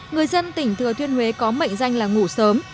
người dân tỉnh thừa thiên huế có mệnh danh là ngủ sớm